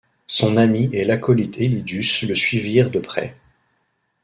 Son ami et l'acolyte Elidus le suivirent de près.